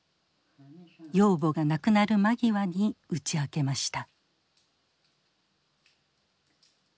養母が亡くなる間際に打ち明けました。